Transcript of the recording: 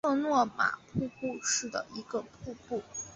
马特诺玛瀑布的一个瀑布。